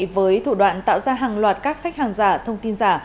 với thủ đoạn tạo ra hàng loạt các khách hàng giả thông tin giả